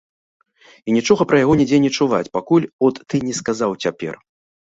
І нічога пра яго нідзе не чуваць, пакуль от ты не сказаў цяпер.